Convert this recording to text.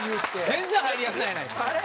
全然入りやすない。